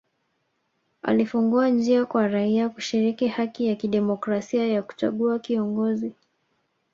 Alifungua njia kwa raia kushiriki haki ya kidemokrasia ya kuchagua kiongozi